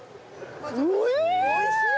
おいしい！